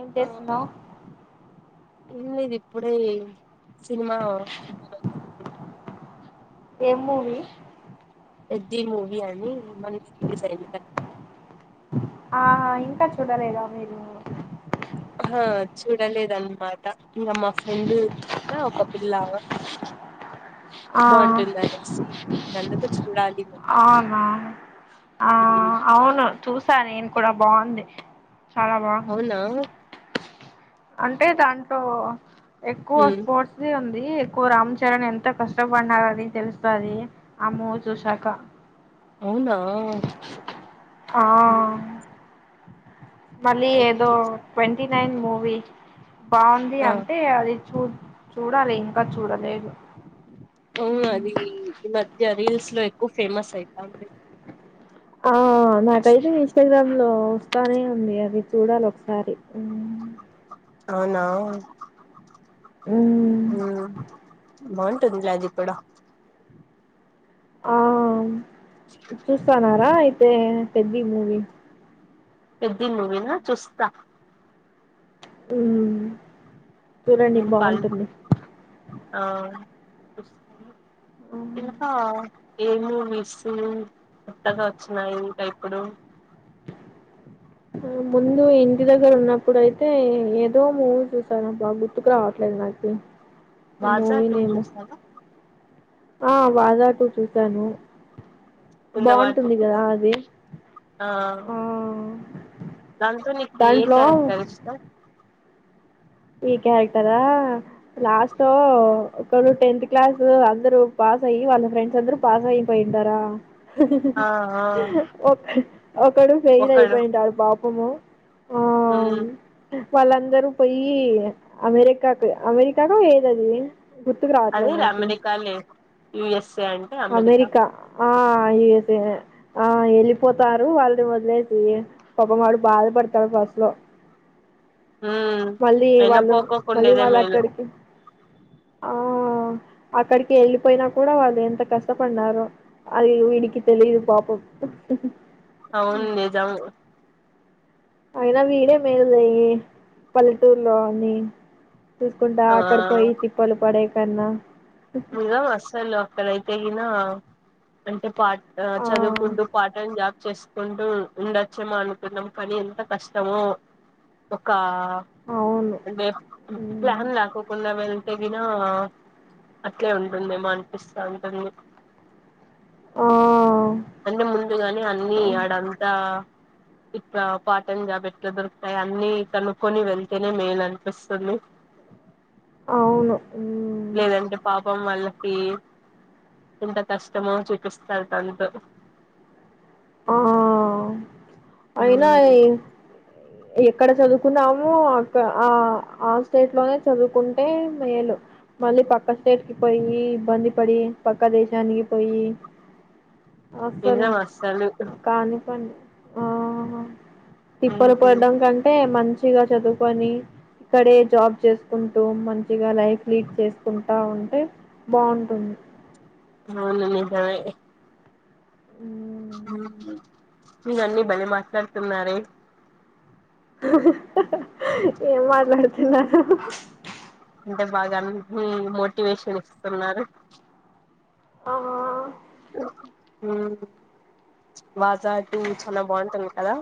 ఏం ఆ చేస్తున్నావు మీ ఇది ఇప్ ఏం సినిమా ఏం మూవి పెద్ది మూవీ అని మొన్న రిలీజ్ అయింది కదా ఆ ఇంకా చుడలేద మీరు ఆహా చూడలేదన్మాట ఇక మా ఫ్రెండ్ చెప్తా ఒక పిల్లా ఆ ఇంగ అందుకు చూడాలి మళ్ళీ అవున ఆ ఉమ్ అవును చూసా నేను కూడా బాగుంది చాలా బాగుంది అవునా అంటే దాంట్లో ఎక్కువ ఉమ్ స్పోర్ట్స్ది ఉంది ది ఎక్కువ రామ్ చరణ్ ఎంత కష్టపడినార అది తెలుస్తది ఆ మూవీ చూసాక అవునా ఆ ఊ మళ్ళీ ఏదో ట్వంటీ నైన్ మూవీ బాగుంది అంటే అది చూ చూడాలి ఇంకా చూడలేదు అవును అది ఈ మధ్య రీల్స్ లో ఎక్కువ ఫేమస్ అయితంది ఓ నాకైతే ఇన్స్టాగ్రామ్ లో వస్తానే ఉంది అది చూడాలి ఒకసారి అవునా మ్మ్. ఊ బావు టుంది లా ఇపుడు ఆ చూస్తాన్నారా అయితే పెద్ది మూవీ పెద్ది మువినా చూస్తా ఊ ఉ కల్ ఆ ఆ, ఇంకా ఏ మూవీస్ కొత్తగా వచ్చినయి ఇంకా ఇప్పుడు ముందు ఇంటి దగ్గర ఉన్నప్పుడుయితే ఏదో మూవీ చూసనబ గుర్తుకు రావట్ లేదు నాకు వాజా టు చూసార ఆ వాజా టు చూసాను ఉంద బాగుంటుంది వాట్సప్ లో కదా అది ఆ దాంతో నీకే దాంట్లో కరెక్టర్ ఇష్టం ఈ క్యారెక్టరా లాస్ట్ ఒకడు టెన్త్ క్లాస్ లో అందరు పా పాసయి వాళ్ళ ఫ్రెండ్స్ అందరు పాసయి పోయింటారా ఆ ఆ ఒక ఒకడు ఫెయిల్ అయిపోయింటడు పాపము ఊ వాళ్ళందరూ పోయి అమెరికాకు అమెరికాకు ఏదది గుర్తుకు రావట్లే అదే నాకి అమెరికాలే యుఎస్ఏ అంటే అమెరికా ఆ యూఎస్ఏ ఆ వెళ్ళిపోతారు వాళ్ళు వదిలేసి పాపమాడు బాధపడతాడు ఫస్ లో ఉమ్ మళ్ళీ అయినా వాళ్ళు మళ్ళీ పోకోకుండేదే వాళ్ళు మేలు అక్కడికి ఆ అక్కడికి వెళ్ళిపోయినా కూడా వాళ్ళు ఎంత కష్టపడ్డారో అది వీడికి తెలిదు పాపం అవును నిజం అయినా వీడే మేలే లే పల్లెటూరులో అని చూసుకుంటా ఆ అక్కడ పోయి తిప్పలు పడే కన్నా నిజం అస్సలు అక్కడైతే గిన అంటే పా అ ఆ చదువుకుంటు పార్టైన్ జా చేస్ కుంటూ ఉండచ్చేమో అనుకున్నం కాని ఎంత కష్టమో ఒక్కా ఆ అవును అండేప్ హ్మ్. ప్లాన్ లాకోకుండా వెళ్తే గినా అట్లే ఉందుమెమో అనిపిస్తాంటుంది వా అందే ముందుగానే అన్నీ ఆడంతా ఇట్లా పార్టైమ్ జాబ్ ఎట్ల దొరుకుతాయ అన్ని కనుక్కొని వెళ్తెనే మేలనిపిస్తుంది అవును హ్మ్. లేదంటే పాపం వాళ్ళు క్వీ ఎంత కష్టమొ చూపిస్తారు తనుతో ఆ అయినా ఉమ్ ఈన్ ఎక్కడ చదువుకున్నామో అక్క ఆ ఆ స్టేట్ లోనే చదువుకుంటే మేలు మళ్ళీ పక్క స్టేట్ కి పొయ్యి ఇబ్బంది పడి పక్క దేశానికి పొయ్యి నిజమస్సలు కనుకోండి ఆ తిప్పలు ఉమ్ పడ్డం కంటే మం చ్చిగ చదువుకొని ఇక్కడే జాబ్ జేస్కుంటూ మంచిగా లైఫ్ లీడ్ చేస్కుంటా ఉంటే బావుంటుంది అవును నిజమే ఆ మీరన్నీ భలే మాట్లాడుతున్నారే ఏం మాట్లాడుతున్నాను అంటెఐ బాగా అన్నీ మోటివేషన్ ఇస్తున్నారు ఆహా ఊ వాజా టూ చలా బావుంటుంది కదా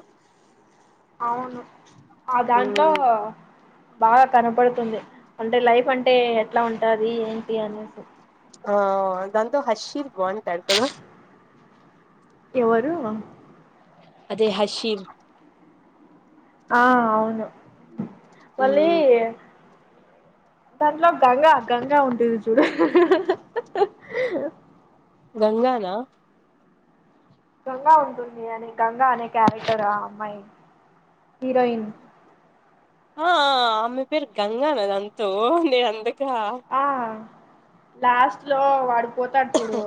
అవును ఆ దాంట్లో ఉమ్ బాగా కనపడుతుంది అంటే లైఫ్ అంటే ఎట్లా ఉంటాది ఏంటి అనేసి ఆ దాంతో హర్షీ ది బ్వాంటది కదా ఎవ్వరు అదే హర్షీమ్ ఆ అవును వళ్ళీ ఉమ్ దాంట్లో గంగా గంగా ఉంటుంది చూడు గంగా నా గంగా ఉంటుంది అని గంగా అనే క్యారెక్టర్ ఆ అమ్మాయ్ హరోయిన్ ఆ ఆమె పేరు గంగా నా దాంతో నేనంతగా ఆ లాస్ట్ లో వాడు పోతాడు చూడు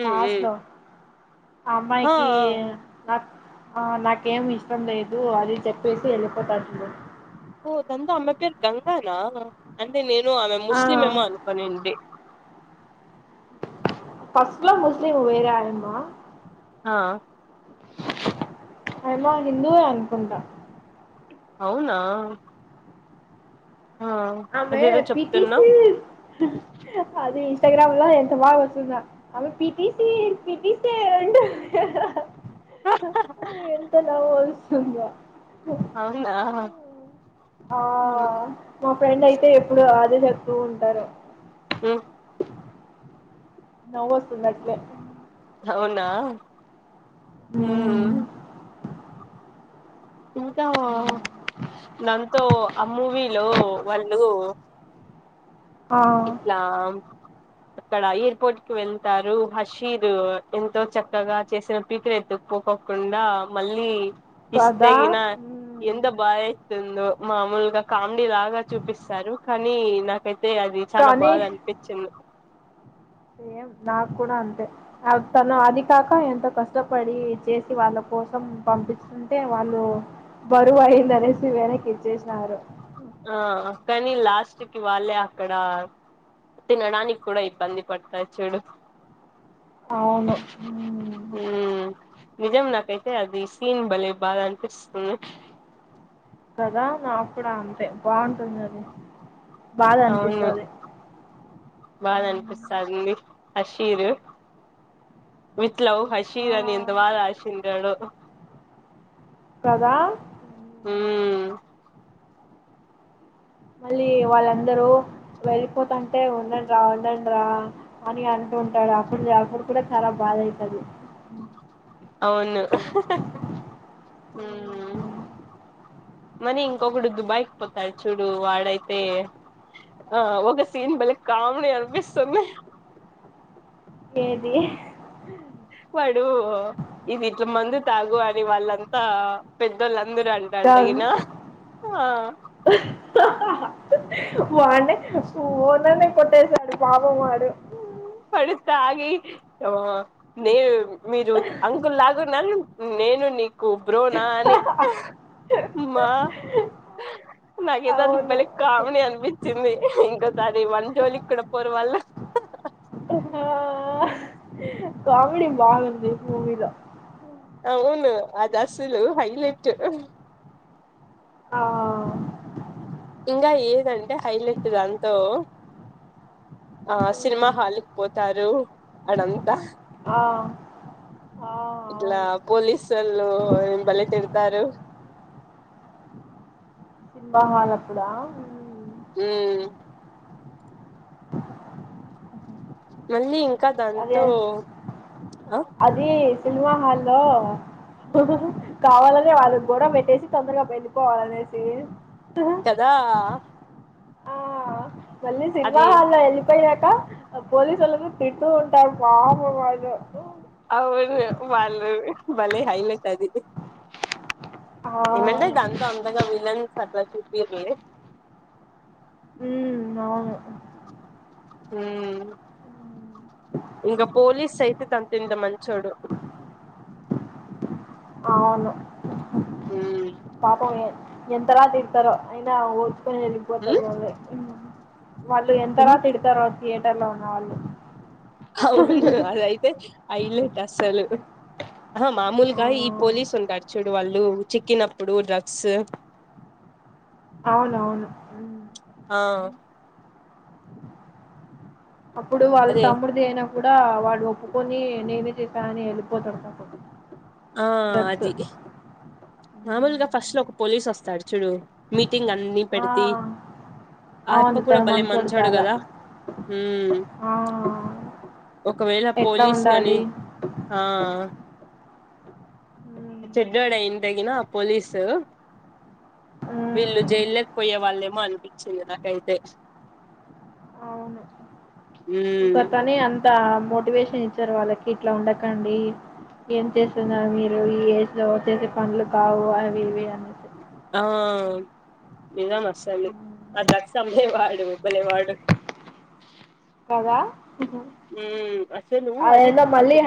ఉమ్ లాస్ట్ ఉమ్ లో ఆ అమ్మాయికీ నాకత నాకేం ఇష్టం లేదు అది చెప్పేసి ఎళ్ళిపోతాడ్ జూడు ఓ దంతో అమ్మె పేరు గంగానా అంటే నేను ఆమె ఆ ముస్లింఏమో అనుకొనింటి ఫస్ట్లొ ముస్లిము వేరే ఆయమ్మా ఆ అయమ్మ హిందువే అనుకుంటా అవునా ఆ ఆమె అదేదో చెప్తున్నావ్ పిటిసి అది ఇన్స్టాగ్రామ్ లో ఎంత బాగా వస్తుందో పిటిసార్ పిటి సార్ ఎంత నవ్వొస్తుందో అవునా ఆ ఉమ్ మా ఫ్రెండ్ అయితే ఎప్పుడు అదే చెప్తూ ఉంటారు ఉ నవ్వొస్తుంది అట్లే అవునా హు ఇంకా [unintelligible] ఆమూవీలో వాళ్ళు ఆ ఇట్లా ఇక్కడ ఎయిర్పోర్ట్ కి వెళ్తారు హషీర్ ఎంతో చక్కగా చేసిన పీకుర ఎత్తుకుపోక కుండ మళ్ళీ ఇస్తే కదా గిన ఎంద [unintelligible] మామూలుగా కామెడీ లాగా చూపిస్తారు కానీ నాకైతే చాన కానీ బాగ అనిపించింది సేమ్ నాకు కూడ అంతే తను అది కాక ఎంతో కష్టపడి చేసి వాళ్ళ కోసం పంపిస్తుంటే వాళ్ళు బరువు అయింది అనేసి వెనక్కి ఇచ్చేసినారు ఆ కానీ లాస్ట్ కి వాళ్ళే అక్కడ తినడానికి కూడ ఇబ్బంది పడతారు చూడు అవును ఉమ్, నిజం నాకై [unintelligible] అది సీన్ బలే బాధ అనిపిస్తుంది కదా నా కూడ అంతే బాగుంటుందది అవును బాద అనిపిస్తాది అషీరు విత్ లవ్ ఆ హషీర్ అని ఎంత బాగ రసింటడో కదా ఊ మళ్ళీ వాళ్ళందరూ వెళ్ళిపోతుంటే ఉండండి రా ఉండండి రా అని అంట ఉంటాడు అప్పుడు అప్పుడు కూడ చాలా బాధ అయితది అవును హు మలి ఇంకొకడు దుబాయ్కి పోతాడు చూడు వాడైతే ఆ ఒక సీన్ బలే కామిడి అనిపిస్తుంది ఏది వాడు ఇది ఇట్ల మందు తాగు అని వాళ్ళంతా పెద్దోళ్ అందరు అంటంటే కాదు గిన వానేే ఓన్ననే కొట్టేశాడు పాపం వాడు వాడు తాగి నే మీరు అంకుల్ [unintelligible] నేను నీకు బ్రోనా అని మా నాకేదో అవును అది కామెడి అనిపించింది ఇంకోసారి మన జోలికి కూడా పోరు వాళ్ల్ల కామెడి బాగుంది మూవీలో అవును అది అసలు హైలెట్ ఆ ఇంకా ఏద అంటే హైలైట్ దాంతో ఆ సినిమా హ్మ్ హలిక్ పోతారు ఆడఅంతా ఆ ఆ ఇట్లా అవును పోలీసు వాళ్ళు బలే తీడ్తారు స్మింబా హల్ అప్పుడా మ్ మ్మ్ మళ్ళీ ఇంకా అదే దాంతో ఆ అది సినిమా హల్లో కావాల అనే వాళ్ళని గోడవపెట్టేసి తొందరగా పెళ్ళిపోవాల అనేసి కదా ఆ! మళ్ళీ సినిమా అది హాల్లో వెళ్ళిపోయినాక పోలీసు వొళ్ళులను తిట్టుకు ఉంటాఆరు పాపం వాళ్ళు మ్ బలే హైలైట్ అది ఆ! ఏమ అంటే దాంతో అంతగా విలన్ సర్ చూపి యట్లే హ్మ్. అవును. మ్ ఇంకా పోలీస్ అయితేత్ అంత్ ఇంద మంచోడు అవును. మ్మ్ పాపం ఎంతలా తిట్ తరో అయినా ఓచుకొని వెళ్ళిపోతాడు గాని లే వాళ్ళు ఎంతరా ఉమ్ తిడ్ తారో థియేటర్ లోన వాళ్ళు అవును అద అయితే అయిలెట్ అస్సలు ఆ ఆ! మామూలుగా ఈ పోలీస్ ఉంటారు చూడు వాళ్ళు చిక్కిన అప్పుడు డ్రగ్స్ అవును అవును ఉ ఆ అప్పుడు వాళ్ళ అదే తమ్ముడుది అయిన అప్పుడు కూడా వాళ్ళుఒప్పుకొని నేనేే చేశాన అని వెళ్ళిపోతాడు ఆ అది హ్మ్. మామూల్గా ఫస్ట్ లో ఒక పోలీస్ వస్తాడు చూడు మీ టింగ్ అన్నీ పె పడ్ తి ఆ! ఆ యఅప్ప అవును కూడా తను భలే మంచోడు చాలా కదా మ్ ఆ ఒకవేళ ఎట్లా పోలీస్ గని ఉండాలి ఆ మ్మ్ చెడ్డోడ్ అయి తగిన పోలీసు వీళ్ళు మ్మ్ జైల్లకి పోయే వాళ్ళేమో అనిపించింది నాకై అయితే అవును ఇంక తనే అంత మోటివేషన్ ఇచ్చారు వాళ్ళకి ఇట్లా ఉండక అండి ఏమ్ చేస్తు ఉన్నారు మీరు ఈ ఏజ్ లో చేసే పనులు కావు అవి ఇవి అనే ఆ నిజం అసలు అ దక్ష అమ్మేవాడు వెళ్ళే వాడు కదా ఉమ్ అసలు అది ఎందేందో మళ్ళీ తాగి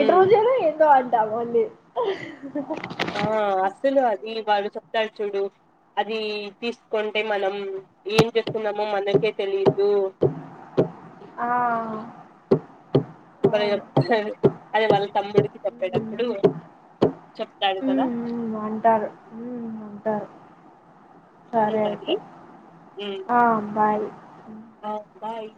ఉమ్ ఎంతో అద్ త మఅంది ఆ అస్సలు అది వాడు చెప్తాడు చూడు అది తీసుకొంటే మనం ఏమ్ చేసుకున్నామో మనకే తెలిదు ఆ బలే అవును చేపేతున్నాడు అదే వాళ్ళ తమ్ముడికి చెప్పేట అప్పుడు చెప్తాడు కదా మ్మ్ మ్మ్ అంటారు మ్ అంటారు సరే నేమ్ అది అయితే మ్ ఆ బాయ్ ఆ బాయ్